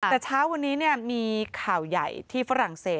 แต่เช้าวันนี้มีข่าวใหญ่ที่ฝรั่งเศส